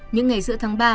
những ngày giữa tháng ba